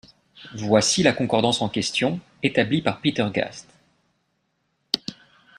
Voici la concordance en question, établie par Peter Gast.